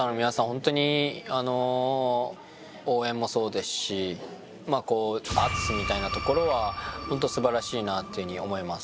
ホントに応援もそうですしまあこう圧みたいなところはホント素晴らしいなというふうに思います。